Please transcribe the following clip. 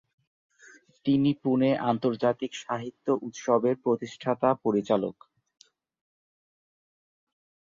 তিনি পুনে আন্তর্জাতিক সাহিত্য উৎসবের প্রতিষ্ঠাতা-পরিচালক।